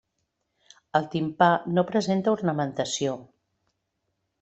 El timpà no presenta ornamentació.